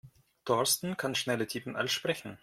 Thorsten kann schneller tippen als sprechen.